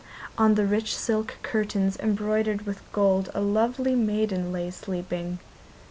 On the rich silk cushions embroidered with gold a lovely maiden lay sleeping.